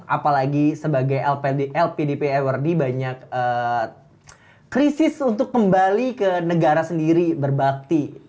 apalagi sebagai lpdp award banyak krisis untuk kembali ke negara sendiri berbakti